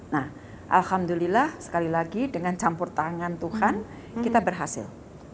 nah alhamdulillah sekali lagi dengan campur tangan tuhan kita berhasil